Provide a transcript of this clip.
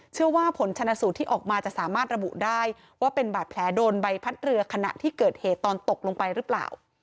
เชื่อว่าผลชนะสูตรที่ออกมาจะสามารถระบุได้ว่าเป็นบาดแผลโดนใบพัดเรือขณะที่เกิดเหตุตอนตกลงไปหรือเปล่า